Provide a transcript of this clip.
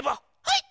はい！